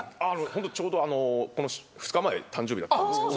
ちょうどこの２日前誕生日だったんですけど。